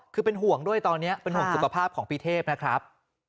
คือเป็นห่วงด้วยตอนนี้เป็นห่วงสุขภาพของพี่เทพนะครับ